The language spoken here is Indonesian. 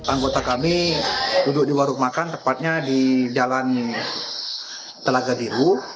anggota kami duduk di warung makan tepatnya di jalan telaga biru